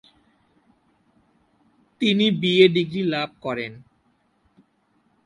তিনি BA degree লাভ করেন।